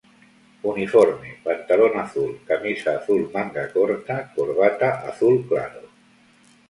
Uniforme: Pantalón azul, camisa azul manga corta, corbata azul claro.